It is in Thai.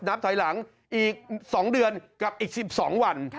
นับถอยหลังอีก๒เดือนกับอีก๑๒วัน